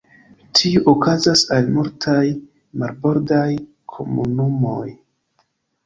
Tiu okazas al multaj marbordaj komunumoj.